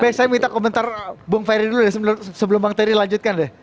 baik saya minta komentar bung ferry dulu deh sebelum bang ferry lanjutkan deh